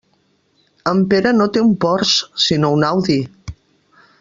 En Pere no té un Porsche sinó un Audi.